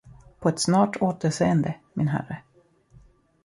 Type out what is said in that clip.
På ett snart återseende, min herre!